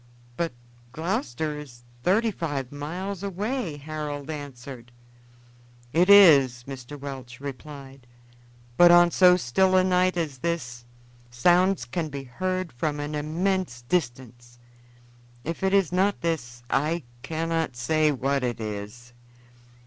"But Gloucester is thirty five miles away," Harold answered. "It is," Mr. Welch replied; "but on so still a night as this sounds can be heard from an immense distance. If it is not this, I cannot say what it is."